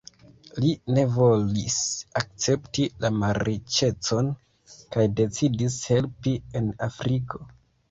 Li ne volis akcepti la malriĉecon kaj decidis helpi en Afriko.